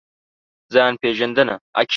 ځان پېژندنه.